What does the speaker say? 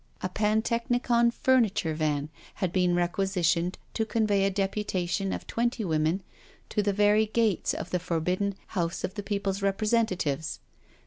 A pantechnicon furniture van had been requisitioned to convey a deputation of twenty women to the very AT THE WEEK END COTTAGE 149 gates of the forbidden House of the People's Repre sentatives.